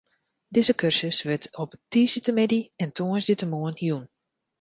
Dizze kursus wurdt op tiisdeitemiddei en tongersdeitemoarn jûn.